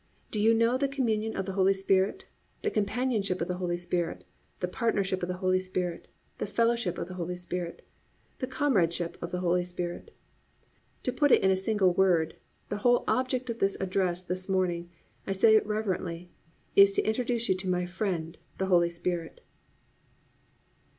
Do you know the "communion of the Holy Spirit?" the companionship of the Holy Spirit, the partnership of the Holy Spirit, the fellowship of the Holy Spirit, the comradeship of the Holy Spirit? To put it into a single word, the whole object of this address this morning, I say it reverently, is to introduce you to my Friend, the Holy Spirit.